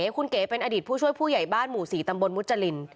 คุณเก๋เป็นอดีตผู้ช่วยผู้ใหญ่บ้านหมู่๔ตำบลมุจริน